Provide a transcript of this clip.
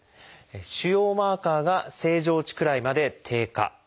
腫瘍マーカーが正常値くらいまで低下。